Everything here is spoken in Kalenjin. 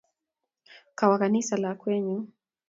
Kawo ganisa lakwennyu.